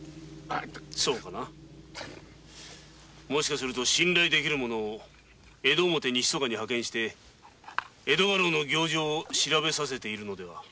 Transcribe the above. そうかなもしかすると信頼出来る者を江戸表へ派遣して江戸家老の行状を調べさせているのでは？